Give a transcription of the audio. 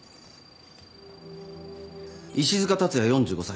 石塚辰也４５歳。